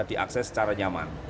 bisa diakses secara nyaman